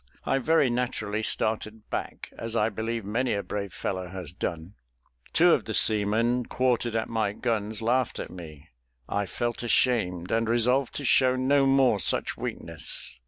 I very naturally started back, as I believe many a brave fellow has done. Two of the seamen quartered at my guns laughed at me. I felt ashamed, and resolved to show no more such weakness.